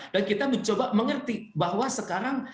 dan kita mencoba mengerti bahwa sekarang